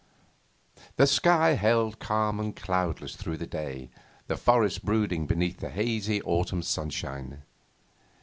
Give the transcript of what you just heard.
The sky held calm and cloudless through the day, the forests brooding beneath the hazy autumn sunshine.